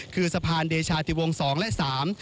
คือสะพานเดชาติวงสองและสาม